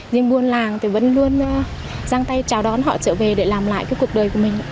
nhưng buôn làng thì vẫn luôn giang tay chào đón họ trở về để làm lại cái cuộc đời của mình